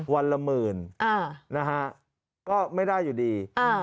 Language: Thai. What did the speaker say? วันละหมื่นนะฮะก็ไม่ได้อยู่ดี